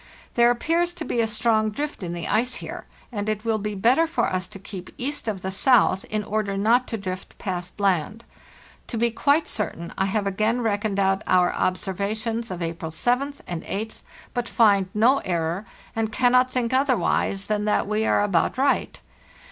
There appears to be a strong drift in the ice here, and it will be better for us to keep east of the south, in order not to drift past land. To be quite certain, I have again reckoned out our observations of April 7th and 8th, but A HARD STRUGGLE Ot find no error, and cannot think otherwise than that we are about right.